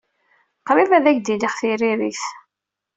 Qrib ad ak-d-iniɣ tiririt.